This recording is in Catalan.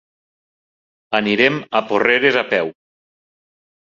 Anirem a Porreres a peu.